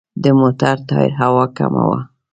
د موټر ټایر هوا کمه وه.